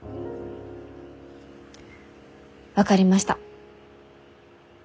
分かりました。